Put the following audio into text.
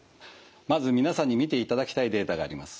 まず皆さんに見ていただきたいデータがあります。